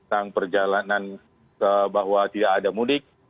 tentang perjalanan bahwa tidak ada mudik